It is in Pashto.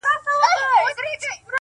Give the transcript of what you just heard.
o هم ښکاري وو هم ښه پوخ تجریبه کار وو,